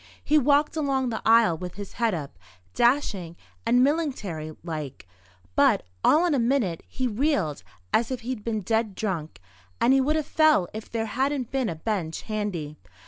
He walked along the aisle with his head up, dashing and millingtary like; but, all in a minute, he reeled as if he'd been dead drunk, and he would have fell if there hadn't been a bench handy.